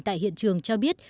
tại hiện trường cho biết